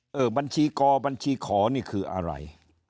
บัญชีกอบัญชีขอนี่คืออะไร